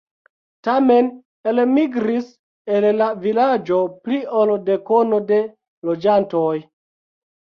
Tiam elmigris el la vilaĝo pli ol dekono de loĝantoj.